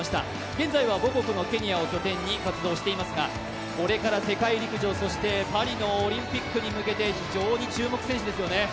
現在は母国のケニアを拠点に活動していますがこれから世界陸上、そしてパリのオリンピックに向けて非常に注目選手ですよね。